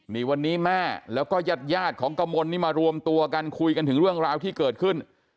นี่วันนี้แม่แล้วก็ญาติของกระมนนี่มารวมตัวกันคุยกันถึงเรื่องราวที่เกิดขึ้น